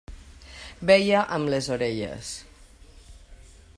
Veia amb les orelles.